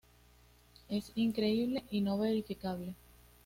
Es inconcebible y no verificable.